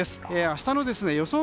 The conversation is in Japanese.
明日の予想